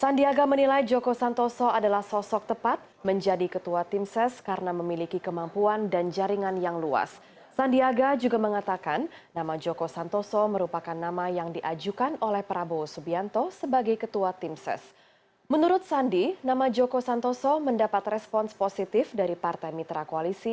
nama joko santoso adalah nama yang ia ajukan sebagai ketua tim ses prabowo sandiaga